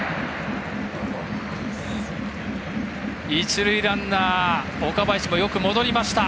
一塁ランナー、岡林もよく戻りました。